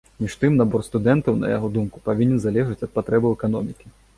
Між тым набор студэнтаў, на яго думку, павінен залежаць ад патрэбаў эканомікі.